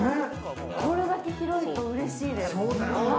これだけ広いと嬉しいです。